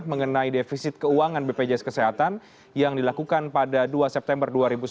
mengenai defisit keuangan bpjs kesehatan yang dilakukan pada dua september dua ribu sembilan belas